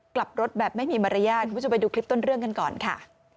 กลับรถแบบไม่มีมารยาทคุณผู้ชมไปดูคลิปต้นเรื่องกันก่อนค่ะ